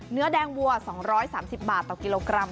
เนื้อแดงวัว๒๓๐บาทต่อกิโลกรัม